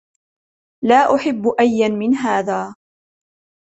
لا أحب أياً من هذا.